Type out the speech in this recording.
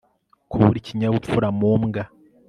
kubura ikinyabupfura mu mbwa